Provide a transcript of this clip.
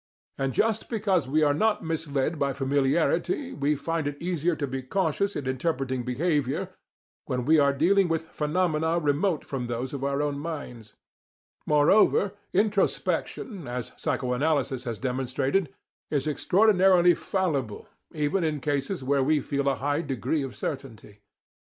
And just because we are not misled by familiarity we find it easier to be cautious in interpreting behaviour when we are dealing with phenomena remote from those of our own minds: Moreover, introspection, as psychoanalysis has demonstrated, is extraordinarily fallible even in cases where we feel a high degree of certainty.